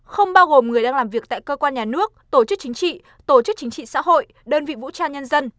không bao gồm người đang làm việc tại cơ quan nhà nước tổ chức chính trị tổ chức chính trị xã hội đơn vị vũ trang nhân dân